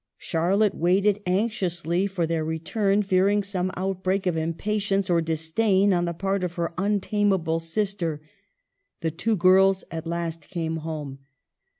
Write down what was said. Charlotte waited anxiously for their return, fearing some outbreak of impatience or disdain on the part of her untamable sister. The two girls at last came home.